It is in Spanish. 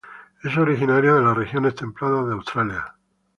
Es originario de las regiones templadas de Australia.